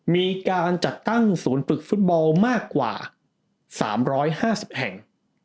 มีการจัดตั้งศูนย์ฝึกฟุตบอลมากกว่า๓๕๐แห่ง